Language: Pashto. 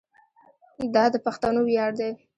دا د پښتنو ویاړ دی.